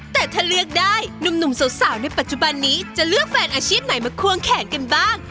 แต่ถ้าเลือกได้หนุ่มสาวในปัจจุบันนี้จะเลือกแฟนอาชีพไหนมาควงแขนกันบ้าง